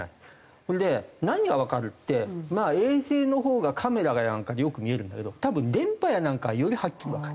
それで何がわかるって衛星のほうがカメラかなんかでよく見えるんだけど多分電波やなんかがよりはっきりわかる。